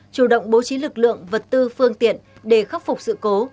chủ động bố trí lực lượng vật tư phương tiện để khắc phục sự cố